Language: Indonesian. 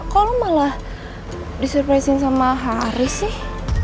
kok lo malah disurprisin sama haris sih